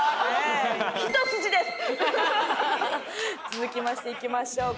続きましていきましょう。